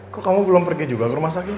kok kamu belum pergi juga ke rumah sakit